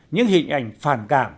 những hình ảnh phản cảm